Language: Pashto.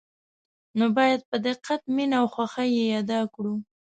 نو باید په دقت، مینه او خوښه یې ادا کړو.